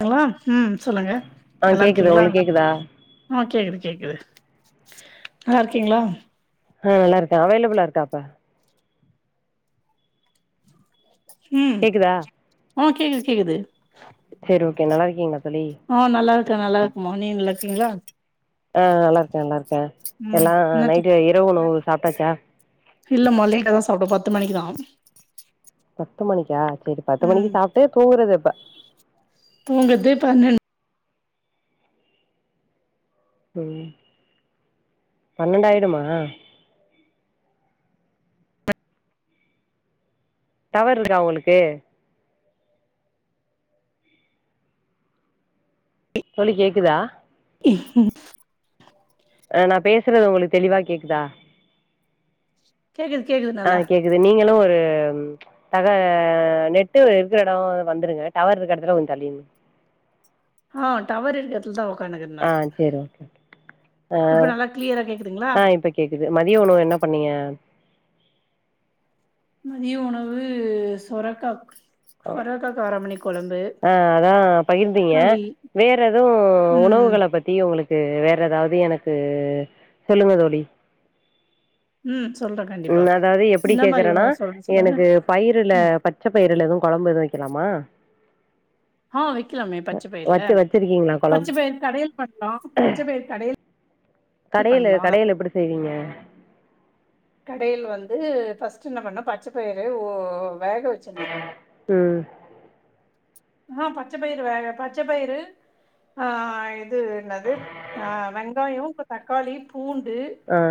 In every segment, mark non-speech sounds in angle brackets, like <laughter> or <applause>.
கலா ம் சொல்லுங்க ஆ நல்லா கேக்குது இருக்கீங்களா உங்களுக்கு கேக்குதா ஆ கேக்குது கேக்குது நல்லா இருக்கீங்ளா அ நல்லா இருக்கே அவைலபுல்லா இருக்காப்பா ம் கேக்குதா அ கேக்குது கேக்குது செரி ஓகே நல்லா இருக்கீங்கா தோழி ஆ நல்லா இருக்கே நல்லா இருக்குமா நீங்க நல்லா இருக்கீங்ளா ஆ நல்லாருக்கே நல்லாருக்கே ம் எல்லா என்ன டிப் நைட்டு இரவு நூ சாப்டாச்சா இல்லம்மா லேட்ட தா சாப்டுவ பத்து மணிக்குதா பத்து மணிக்கா செரி பத்து ம் மணிக்கு சாப்ட்டு தூங்கறது எப்ப தூங்குறது பன்னென் ம் பன்னென்டாயிருமா டவர் இருக்கா உங்ளுக்கு தோழி கேக்குதா <unintelligible> அ நா பேசுறது உங்ளுக்கு தெளிவா கேக்குதா கேக்குது கேக்குதுநல்ல இது நீங்களு ஒரு தக நெட்டு இருக்குற எடோ வந்துருங்க டவர் இருக்குற எடத்துல கொஞ் தள்ளி நில்லுங்க ஹான் டவர் இருக்குற எடத்துல தா உக்காந்துக்கிற ஆ நானு சேரி ஓகே இப்ப ஆ நல்லா கிளியரா கேக்குதுங்ளா ஆ இப்ப கேக்குது மதிய உணவு என்ன பண்ணீய மதிய உணவு சொரக்கா சொரக்க காராமணி கொழம்பு ஆ அதா பகிர்ந்தீங்க களி வேற எதுவு ம் உணவுகள பத் த்தி உங்ளுக்கு வேற ஏதாவது எனக்கு சொல்லுங்க தோழி ம் சொல்றே கண் ம் அதாவது எப்டி கேக்குறேன்னா சொல்லுங்க எனக்கு பயிறுல ம் பத் பச்சப்பயிருல எதுவு கொழம்பு எது வைக்கலாமா ஹா வைக்கலாமே பச்ச பயிர்ல வச்சு வச்சிருக்கீங்களா பச்ச கொழம்பு பயிர் கடையல் பண்ணலா பச்ச பயிர் கடையல் கடையலு பண்லா கடையலு எப்டி செய்வீங்க கடையில் வந்து ஃபர்ஸ்ட்என்ன பண்ணு பச்ச பயிறு உ வேக வச்சின்னு உம் அஹா பச்ச பயிறு வேக பச்சபயிறு ஆ இது என்னது ஆ வெங்காயோ தக்காளி பூண்டு ஆ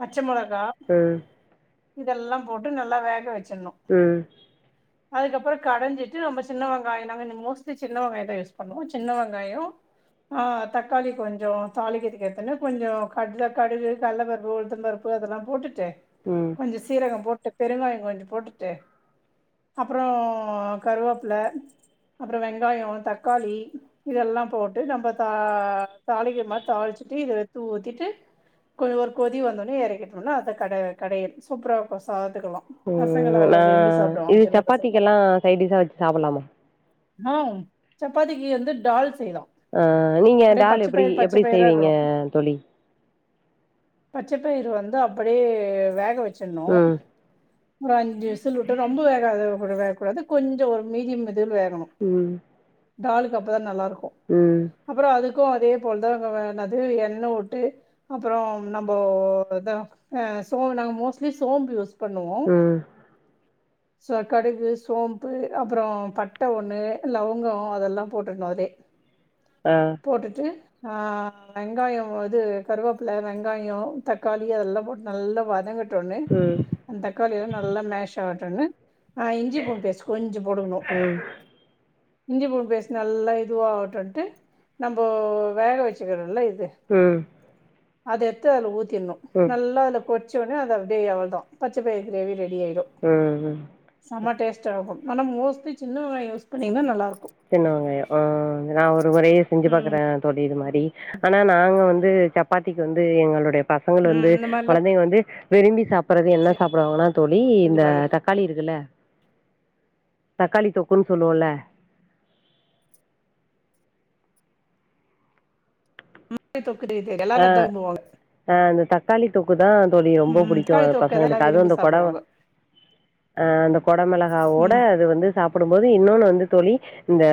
பச்ச மொளகா ம் இதெல்லா போட்டு நல்லா வேக வச்சின்னு உம் அதுக்கப்பறோ கடஞ்சிட்டு ரொம்ப சின்ன வெங் காயோ நாங்க மோஸ்ட்லி சின்ன வெங்காயோ தா யூஸ் பண்ணுவோ சின்ன வெங்காயோ ஆ தக்காளி கொஞ்சோ தாளிக்கதுக்கு எத்துன்னு கொஞ்சோ கட்ல கடுகு கள்ளபருப்பு உழுத்த பருப் பு இதெல்லா போட்டுட்டு ம் கொஞ்சோ சீரகம் போட்டுட்டு பெருங்காயோ கொஞ்சே போட்டுட்டு அப்புறோ கருவேப்பில்ல அப்றோ வெங்காயோ தக்காளி இதெல்லா போட்டு நம்ம தா தாளிக்ற மாரி தாளிச்சிட்டு இத எத்து ஊத்திட்டு கொஞ்ச ஒரு கொதி வந்தோனே இறக்கிட்டோனா அத கட கடையல் சூப்பரா இக்கு சாததுக்கிலா ம் நா இது பசங்க சப்பாத்திக்கெல்லா சைட் டிஷ்சா வச்சி சாப்லாமா அ சப்பாத்திக்கு வந்து டால் செய்யலா ஆ நீங்க அப்டியே டால் எப்டி எப்டி செய்வீங்க தோழி பச்சப்பயிறு வந்து அப்டியே வேக வச்சின்னு ம் ஒரு அஞ்சி விசில் உட்டு ரொம்ப வேகாத வேக கூடாது கொஞ்ச ஒரு மீடியம் இதுல வேகணு உம் தாலுக்கு அப்பதா நல்லா இருக்கு ம் அப்றோ அதுக்கு அதே போலதா வே என்னது எண்ண உட்டு அப்றோ நம்போ தோ அ சோ நாங்க மோஸ்ட்லி சோம்பு யூஸ் பண்ணுவோ ம் சோ கடுகு சோம்பு அப்றோ பட் பட்ட ட ஒன்னு லவங்கோ அதெல்லா போட்டுர்னு அதுலே அ போட்டுட்டு ஆ வெங்காயோ இது கருவேப்பில வெங்காயோ தக்காளி அதெல்லா போட்டு நல்லா வதங்கட் டோன்னே ம் ம் அந்த தக்காளி எல்லா நல்லா மேஷ் ஆகட்டுன்னு ஆ இஞ்சி பூண்டு பேஸ்ட் கொஞ்சு போடுக்கணு இஞ்சி பூண்டு பேஸ்ட் நல்லா இதுவாகட்டும்ன்ட்டு நம்ம வேக வச்சுக்கிறோல்ல இது ம் அது எடுத்து அதுல ஊத்திடணு ம் நல்லா அதுல போட் வச்ச ஓன்னே அது அப்டியே அவ்ளோ தா பச்சை பயறு கிரேவி ரெடி ஆயிடு அ செம டேஸ்ட்டா இருக்கு ஆனா மோஸ்ட்லி சின்ன வெங்காயோ யூஸ் பண்ணீங்கன்னா நல்லா இருக்கு சின்ன வெங்காயோ ஆ நா ஒரு முரே செஞ்சு பாக்குறே ம் தோழி இது மாதிரி ஆனா நாங்க வந்து சப்பாத்திக்கு வந்து எங்களுடைய பசங்கள் ம் வந்து இந்த மாரிலா குழந்தைங்க வந்து விரும்பி சாப்பட்றது என்ன சாப்பிடுவாங்கன்னா தோழி செஞ்சு இந்த பாருங்க தக்காளி இருக்குல்ல தக்காளி தொக்குன்னு சொல்லுவோல்ல தொக்கு தொக்குனு எல்லாரு அதான விரும்புவாங்க அ அந்த தக்காளி தொக்கு தா தோழி ரொம்ப ம் புடிக்கு தக்காளி அது தொக்கு அதெல்லா பசங்களுக்கு அது விரும்பி அந்த கொட சாப்டுவாங்க அ அந்த கொடமிளகாவோட ம் அது வந்து சாப்பிடும்போது இன்னொன்னு வந்து தோழி இந்த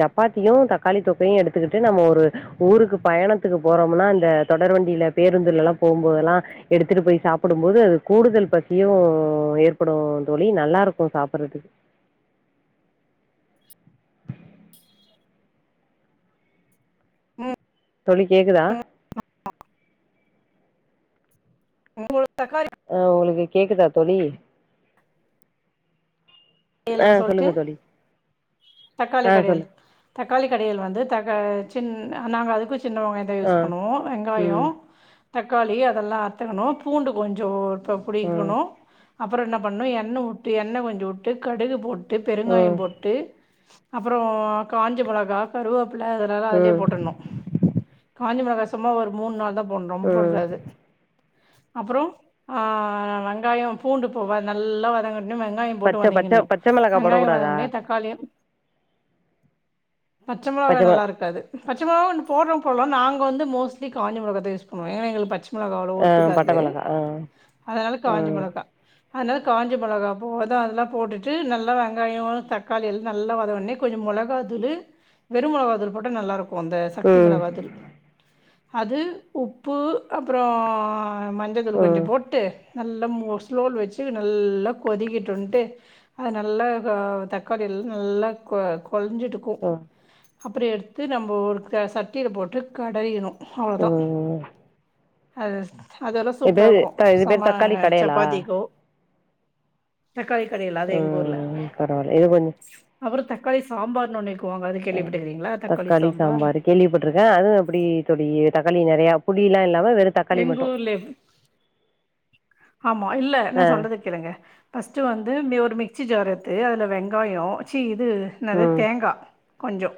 சப்பாத்தியு தக்காளி தொக்கையு எடுத்துக்கிட்டு நம்ம ஒரு ஊருக்கு பயணத் த்துக்கு போறோம்னா இந்த தொடர் வண்டியில பேருந்துல எல்லா போம்போதெல்லா எடுத்துட்டு போய் சாப்பிடும் போது அது கூடுதல் பசியும் ஏற்படு தோழி நல்லா இருக்கு சாப்பட்டுறதுக்கு ம் தோழி கேக்குதா? ம் ஒரு தக்காளி ஆ உங்களுக்கு கேக்குதா தோழி ஆ இல்ன சொல்லிட்டு சொல்லுங்க தோழி. தக்காளி ஆ கடையல் சொல்லு தக்காளி கடையல் வந்து தக்கா சின் நாங்க அதுக்கு சின்ன வெங்காயோ தா ஆ. யூஸ் பண்ணுவோ வெங்காயோ ம். தக்காளி அதெல்லா அறுத்துக்கணு பூண்டு கொஞ்சோ ஷோ ம். குடிக்கணு அப்றோ என்ன பண்ணணு எண்ணெய் உட்டு எண்ணெய் கொஞ்சோ உட்டு கடுகு போட்டு போட்டு பெருங்காயோ ம். போட்டு அப்றோ காஞ்ச மொளகா கருவேப்பிலை அதெலெல்லா ம். அதுலே போட்டுடணு காஞ்சி மொளகா‌ சும்மா ஒரு மூணு நாலு தா போடணு ரொம்ப ம். போடக்கூடாது அப்றோ ஆ வெங்காயோ பூண்டு போக நல்லா வதங்கனுட்டு வெங்காயோ பச்ச பச்ச வதங்கிடணு பச்ச மிளகா வெங்காயோ வதங்கன போடக்கூடாதா? ஒன்னே தக்காளி பச்ச மொளகா நல்லா இருக்காது பச்சமொளகா போடுரவங்க போடுலா நாங்க வந்து மோஸ்ட்லி காஞ்சமிளகா தா யூஸ் பண்ணுவோ ஏன்னா எங்களுக்கு பச்ச மொளகா அவ்வளோ ஆ ஒத்துக்கா பட்ட து மிளகா ஆ அதனால் காஞ்ச ம் மொளகா தா அதுனால காஞ்ச மிளகா போ அதல்லா அதல்லா போட்டுட்டு நல்லா வெங்காயோ தக்காளி எல்லா நல்லா வதங்கின ஒன்னே கொஞ்சோ மொளகா தூள் வெறுமிளகாதூள் போட்டா நல்லா இருக்கு அந்த சக்தி ம் மொளகா தூள் அது உப்பு அப்புறோ மஞ்சத்தூள் கொஞ்சோ ம் போட்டு நல்லா மோ ஸ்லோல வச்சி நல்லா கொதிக்கட்டுன்ட்டு அ நல்ல கா தக்காளி எல் நல்லா கொ கொழஞ்சிட்டுக்கு ம் அப்புறோ எடுத்து நம்போ ஒரு க சட்டியில போட்டு கடயெனு அவ்ளோதா ம் அ அதெல்லா இது சூப்பரா பேரு இக்கு இது பேரு சம தக்காளி கடையலா சப்பாத்திக்கோ தக்காளி கடையெல் அது எங்க ஊர்ல ம் பரவால்ல இது கொஞ்ச அவர் தக்காளி சாம்பார்ன்னு ஒன்னுக்குவாங்க அது கேள்விபட்டுக்கிறீங்களா தக்காளி சாம்பார் கேள்விப்பட்ருக்கே அதுவு எப்பிடி தோழி தக்காளி நெறையா புளில்லா இல்லாம வெறு தக்காளி மட்டு எங்கூர்லேப் ஆமா இல்ல நா ஆ சொல்றது கேளுங்க ஃபஸ்ட்டு வந்து மே ஒரு மிக்சி ஜார் எத்து அதல வெங்காயோ சி இது இன்னாது ம் தேங்கா கொஞ்சோ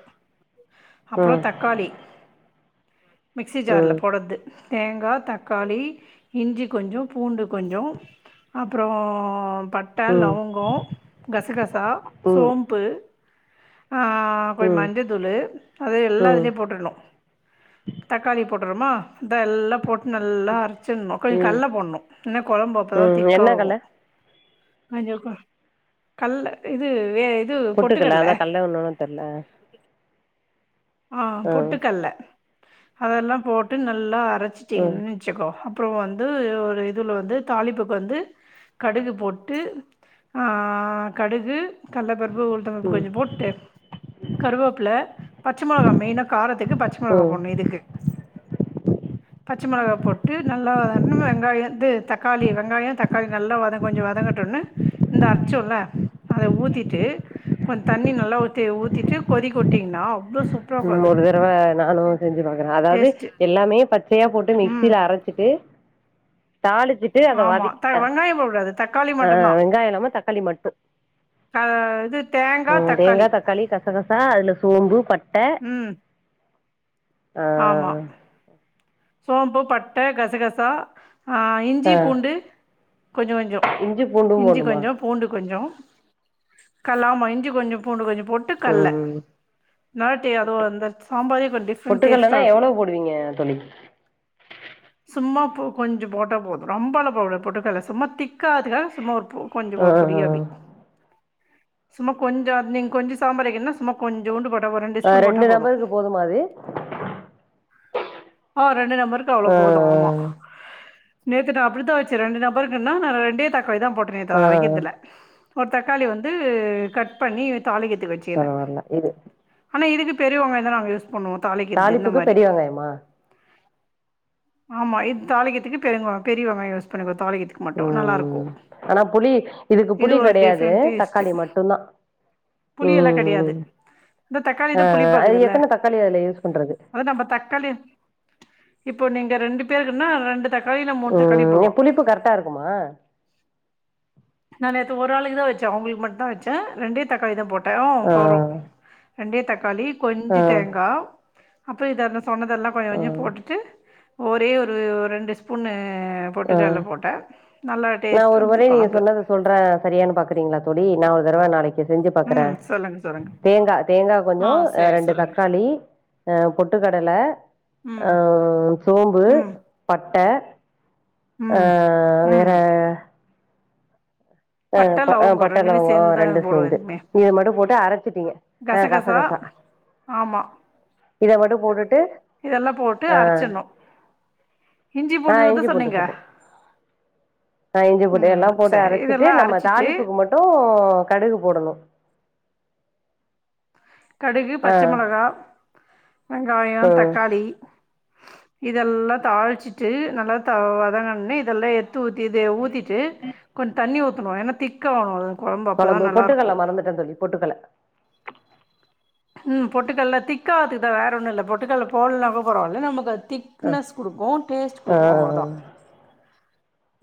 அப்புறோ ம் தக்காளி மிக்சி ஜார்ல ம் போடத்து தேங்கா தக்காளி இஞ்சி கொஞ்சோ பூண்டு கொஞ்சோ அப்புறோ பட் ட்ட ம் ம் லவுங்கோ கசகசா சோம்ப்பு ஆ அ கொய் ம் மஞ்சதூள் அது எல்லா ம் இதிலியே போட்ருனு தக்காளி போட்றமா இத எல்லா போட்டு நல்லா அரைச்சினு கொஞ் ம் கல்ல போணு இன்ன கொழம்பு அப்பதா ம் திக்கா என்ன ஆகு கல்ல அஞ்சக்கு கல்ல இது வே பொட்டுக்கல்ல அத கல்ல ஒன்னுன் தெர்ல ஆ பொட்டுக்கல்ல அதெல்லா போட்டு நல்லா ம் அரச்சிட்டிங்கின் ச்சிக்கோ அப்புறோ வந்து ஒரு இதுல வந்து தாலிப்புக்கு வந்து கடுகு போட்டு ஆ கடுகு கல்லப்பருப்பு உளுத் த்தபருப்பு ம் கொஞ்சோ போட்டு கருவேப்பில ம்மொளகா மெய்னா காரத்துக்கு பச்ச மொளகா ம் போண்னு இதுக்கு பச்ச மொளகா போட்டு நல்லா வத இன்னுமே வெங்காயோ இது தக்காளி வெங்காயோ தக்காளி நல்லா வதங் கொஞ்ச வதங்க ட்டுருன்னு இந்த அரச்சொல்ல அத ஊத்திட்டு கொந் தண்ணி நல்லா ஊத்தி ஊத்திட்டு கொதிக்கவுட்டீங்கன்னா ம் ஒரு தரவ நானு செஞ்சி பாக்குறே அதாவது டேஸ்ட்டு எல்லாமே பச்சையா போட்டு ம் மிக்சியில அரச் சிட்டு தாளிச்சி டு அத ஆமா த வதக்கிட்டே வெங்காயம் போடக்கூடாது தக்காளி மட்டும்தான் வெங்காய இல்லாம தக்காளி மட்டும் க இது தேங்கா ம் தேங்கா தக்காளி கசகசா அதில சோம்பு பட் ம் ஆ ஆமா சோம்ப்பு பட்ட கசகசா ஆ இஞ்சி ஆ பூண்டு கொஞ்ச கொஞ்சோ இஞ்சி பூண்டும் இஞ்சி போட்ணுமா கொஞ்சோ பூண்டு கொஞ்சோ கல்லாமா இஞ்சி கொஞ்ச பூண்டு கொஞ்சோ போட் ட்டு கல்ல ம் நாட்டி அது அந்த சாம்பாரே கொஞ் டிஃப்ரெண்ட் டேஸ்ட்டா இருக்கு ண்டுவிங்க தோழி சும்மா பூ கொஞ்ச போட்ட போது ரொம்பாலா போடகூடாது பொட்டுக்கல்ல சும்மா திக்காதுகாக சும்மா பூ கொஞ்ச போ ஆ ஆ பொடியாபி சும்மா கொஞ்ச நீங்க கொஞ்ச சாம்பார் வைக்கனா ம்மா கொஞ்சூண்டு போட்டா போ ஒரு ரெண்டு ஆ ஸ்பூன் போட்டா போது நபருக்கு போதுமா அது ஆ ரெண்டு நம்பருக்கு அவ்ளோ ஆ போது ஆமா நேத்து நா அப்பிடித்தா வச்சே ரெண்டு நபருக்குன்னா நா ரெண்டே தக்காளி தா போட் ட்டுரு நேத்து ஆ ஆ வதக்கிறதல ஒரு தக்காளி வந்து கட் பண்ணி தாளிகத்துக்கு வச் பரவால்ல இது ஆனா இதுக்கு பெரியவெங்காயந்தான் நாங்க யூஸ் பண்ணுவோம் தாளிக்கிறது இந்த மாதிரி யம்மா ஆமா இது தாளிக்கறதுக்கு பெரிய வெங்காய யூஸ் பண்ண்ணிக்குவோ தாளிக்கறதுக்கு மாட்டோம் நல்லா ம் இருக்கும் ஆனா புளி இதுக்கு இது புளி ஒரு கெடையாது டிஃபரெண்ட் டேஸ்ட் தக்காளி மட்டுந்தா புளியெல்லா ம் கெடையாது இந்த தக்காளி ஆ தான் அது புளிப்பாக்குதுல்ல எத்தன தக்காளி அதுல யூஸ் பண்றது அத நம்ம தக்காளி இப்போ நீங்க ரெண்டு பேருக்குன்னா ரெண்டு தக்காளி இல்ல மூணு தக்காளி ம் ஏ போட்லாம் புளிப்பு கரெக்டா இருக்குமா நான் நேத்து ஒரு ஆளுக்கு தான் வச்சேன் அவங்களுக்கு மட்டும்தான் வச்சேன் ரெண்டே தக்காளி தான் போட்டேன் ம் ஆ போரு ரெண்டே தக்காளி ஆ கொஞ்சோ தேங்கா அப்புறம் இதெல்லாம் சொன்னதெல்லாம் கொஞ்சம் ஆ கொஞ்சம் போட்டுட்டு ஒரே ஒரு ரெண்டு ஸ்பூனு ஆ பொட்டு கல்ல போட்டேன் நல்லா டேஸ்ட்டா வந்தது கொழம்பு சொல்றேன் சரியான்னு பாக்குறீங்களா தோழி நான் ஒரு தடவை நாளைக்கு செஞ்சு ம் பாக்குறேன் சொல்லுங்க சொல்லுங்க தேங்கா தேங்கா ஆ கொஞ்சோ சேரி ரெண்டு சொல்லுங்க தக்காளி அ பொட்டுக்கடல ம் ஆ சோம்பு ம் பட்டை ஆ ம் வேற ம் ஆ பட்டை ப ஆ லவங்கோ பட்ட ரெண்டுமே லவங்கோ சேந்துந்தான ரெண்டு போடுவோம் சேந்து எதுக்குமே இத மட்டு போட்டு அரச்சிட்டீங்க ஆ கசகசா ஆமா இத மட்டும் போட்டுட்டு இதெல்லா போட்டு ஆ அரைச்சிடணு ஆ இஞ்சி பூண்டு சொன்னீங்க சொல்லு இஞ்சி பூண்டு ம் எல்லா போட்டு சேரி அரைச்சிட்டு இதெல்லா நம்ம அரச்சிட்டு தாளிப்புக்கு மட்டும் கடுகு போடணு கடுகு ஆ பச்சை மிளகா வெங்காயோ ம் தக்காளி இதெல்லா தாளிச்சிட்டு நல்லா த வதங்குனதுமே இதெல்லா எடுத் ஊத்தி ஊத்திட்டு கொஞ்சோ தண்ணி ஊத்தணும் ஏன்னா திக்கா கொழம்பு அப்போ தா நல்லாருக்கும் இல்ல தோழி பொட்டுக்கடலை ம் பொட்டுக்கடல திக்கா ஆகுறதுக்குதா வேற ஒண்ணும் இல்ல பொட்டுக்கடலை போடலனாலு பரவால நமக்கு அது திக் திக்னஸ் குடுக்கும் டேஸ்ட் ஆ குடுக்கும் அவ்ளோதா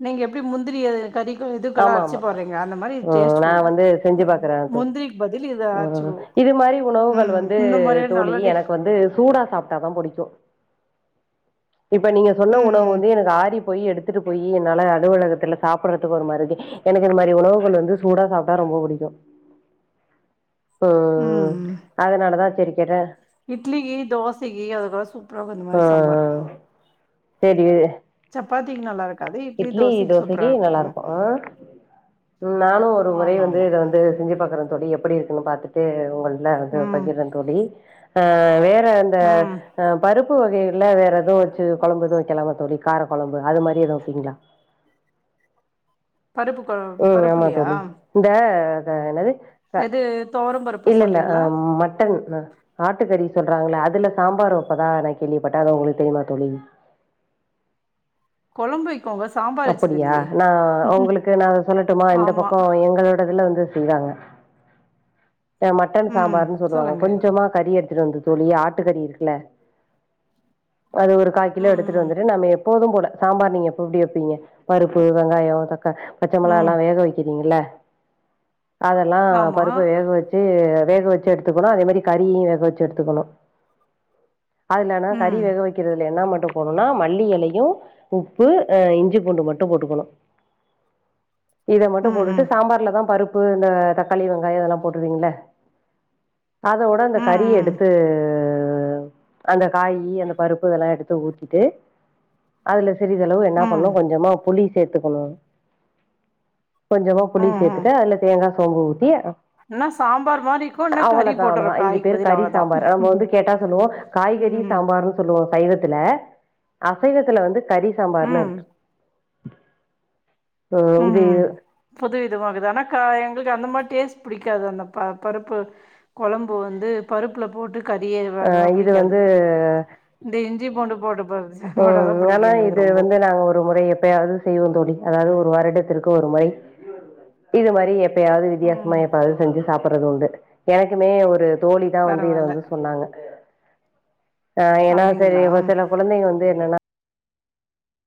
நீங்க எப்டி முந்திரிய கறிக்கு இதுக்கெல்லாம் ஆமா அரைச்சு ஆமா போடுறீங்க அந்த மாரி இது ம் டேஸ்ட் நா குடுக்கும் வந்து செஞ்சு பாக்குறே தோழி முந்திரிக்கு பதில் இதை ம் அரச்சுடுவோம் இது மாரி உணவுகள் வந்து தோழி டிஃப் எனக்கு வந்து சூடா சாப் டா தா புடிக்கு இப்ப நீங்க சொன்ன உணவு ம் ம் வந்து எனக்கு ஆரிப் போயி எடுத்துட்டு போயி என்னால அலுவலகத்தல சாப்படற <unintelligible> எனக்கு இந்த மாரி உணவுகள் வந்து சூடா சாப்ட்டா ரொம்ப புடிக்கு ம் ம் ம் அதுனாலதா சேரி கேட்ட இட்லிக்கு தோசைக்கு அதுக்கெல்லா சூப்பராருக்கு இந்த மாரி சாம்பார் தெரிய சப்பாத்திக்கு நல்லா இருக்கு இட்லி தோசைக்கி நல்லா இருக்கும் ஆ நானு ஒரு முறை ஆமாம் வந்து ஆமாம் இத வந்து செஞ்சு பாக்குற தோழி எப்டி இரு பாத்துட்டு உங்கள்ட்ட வந்து ம் பகிர்ர தோழி அ வேற அந்த. ம் பருப்பு பருப்பு வகைல வேற எதவும் வச்சு கொழம்பு எதுவும் வைக்கலாம தோழி கார கொழம்பு அது மாரி எதுவும் வைப்பீங்களா பருப்புக் கொழம்பு ம் ஆமா தோழி இந்த அது என்னது அ எது துவரம் பருப்பை இல்ல இல்ல அ சொல்கிறீங்களா மட்டன்‌‌அ ஆட்டுக்கறி சொல்றாங்கள அதுல சாம்பார் வைப்பதா நா கேள்விப்பட்ட அது உங்களுக்கு தெரியுமா தோழி கொழம்பு கோங்க சாம் அப்படியா நா உங்களுக்கு நான் அத சொல்லட்டுமா இந்த ஆமா பக்கோ எங்களோட இதுல வந்து செய்வாங்க மட்டன் ம் சாம்பார்னு சொல்லுவாங்க சொல்லுங்க கொஞ்சமா கறி எடு வந்து தோழி ஆட்டுக்கறி இருக்குல அது ஒரு கால் கிலோ ம் எடுத்துட்டு ம் வந்துட்டு நம்ம எ போதும் போட சாம்பார் நீங்க எப்பவு எப்டி வைப்பீங்க பருப்பு வெங்காயோ தக்கா பச்ச ம் மிளகாலா வேக வைக்கிறீங்கள அதெல்லா ஆமா பருப்ப வேக வச் டு வேக வச்சு எடுத்துக்கணு அதே மாரி கறி வேக வச்சு எடுத்துக்கனு அதுல்லனா கறி ம் வேக வைக்கிறதுல என்ன மட்டு போனுனா மல்லி இலையு உப்பு அ இஞ் சி பூண்டு மட்டு போட்டுக்கணு இத மட்டு ம் போட்டுட்டு ம் சாம்பார்ல தா பருப் பு இந்த தக்காளி வெங்காயோ இதெல்லா போட்ருந்திங்கள அதோட அந்த ம் கறிய ம் எடுத்து அந்த காயி அந்த பருப்பு இதெல்லா எடுத்து ஊத்திட்டு அதுல சிறிதளவு எண் இன்னு ம் கொஞ்சமா புளி சேத்துக்கணு கொஞ்சமா புளி ம் ம் சேத்துட்டு அதுல தேங்காய் சோம்பு ஊத்தி இன்னா சாம்பார் மாரி இருக்கு இன்னா கறி அவளதா அவள போட்டுறோ தா இது காய்க்கு பேரு பதில் கறி அவ்ளோதா சாம்பார் நம்ம வந்து கேட்டா சொல்லுவோ காய்கறி ம் சாம்பார்ன்னு சொல்லுவோ சைவத்துல அசைவத்துல வந்து கறி சாம்பார்னு ம் இருக்கு ம் இதே புது விதமாக்குது ஆனா கா எங்களுக்கு அந்த மாரி டெஸ்ட் பிடிக்காது அந்த ப பருப்பு குழம்பு வந்து பருப்புல போட்டு கறியே அ <unintelligible> இது புடிக்காது வந்து இந்த இஞ்சி பூண்டு போட்டு போ போட்டாதா ம் புடிக்கு எங்களுக்கு ராம்போ செய்வோ தோழி அதாவது ஒரு வருடத்திற்கு ஒரு முறை இது மாரி எப் பயாவது வித்தியாசமா ம் எப்பாவது செஞ்சு சாப்பட்டறது உண்டு எனக்குமே ஒரு தோழி தா வந்து இத பரவால்ல வந்து சொன்னாங்க ஆ ஏன்னா செரி அப்டிங்களா ஒரு சில குழந்தைங்க வந்து என்னன்னா